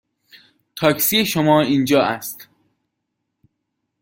تاکسی شما اینجا است.